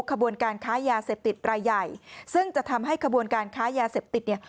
ขบวนการค้ายาเสพติดรายใหญ่ซึ่งจะทำให้ขบวนการค้ายาเสพติดเนี่ย